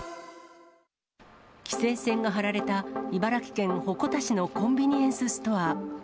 規制線が張られた茨城県鉾田市のコンビニエンスストア。